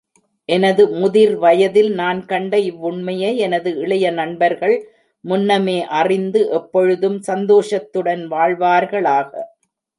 எனது முதிர் வயதில் நான் கண்ட இவ்வுண்மையை எனது இளைய நண்பர்கள் முன்னமே அறிந்து எப்பொழுதும் சந்தோஷத்துடன் வாழ்வார்களாக!